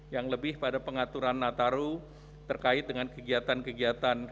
yang lebih pada pengaturan nataru terkait dengan kegiatan kegiatan